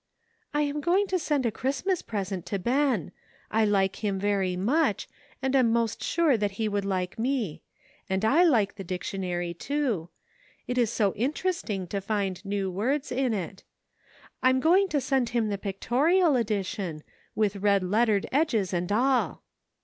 "I am going to send a Christmas present to Ben. I like him very much, and am most sure he would like me ; and I like the dictionary, too. It is so interesting to find new words in it. I am going to send him the Pictorial Edition, with red lettered edges and all.